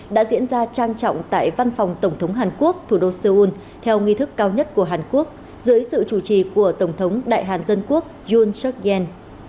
đã diễn ra trang trọng tại văn phòng tổng thống hàn quốc thủ đô seoul theo nghi thức cao nhất của hàn quốc dưới sự chủ trì của tổng thống đại hàn dân quốc yon check yeen